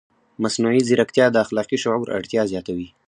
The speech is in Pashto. مصنوعي ځیرکتیا د اخلاقي شعور اړتیا زیاتوي.